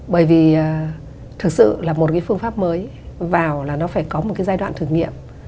bởi vì thực sự là một cái phương pháp mới vào là nó phải có một cái giai đoạn thử nghiệm